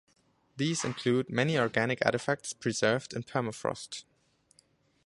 These include many organic artifacts preserved in permafrost.